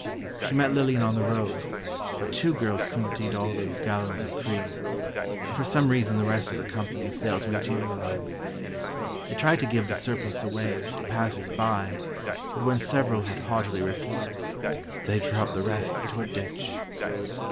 She met Lillian on the road, but two girls couldn't eat all those gallons of cream, and for some reason the rest of the company failed to materialize. They tried to give the surplus away, to passersby, but when several had haughtily refused, they dropped the rest into a ditch.